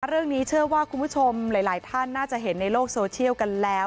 เรื่องนี้เชื่อว่าคุณผู้ชมหลายท่านน่าจะเห็นในโลกโซเชียลกันแล้ว